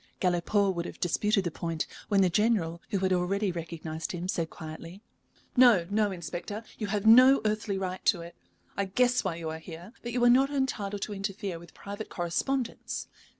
Galipaud would have disputed the point, when the General, who had already recognized him, said quietly: "No, no, Inspector, you have no earthly right to it. I guess why you are here, but you are not entitled to interfere with private correspondence.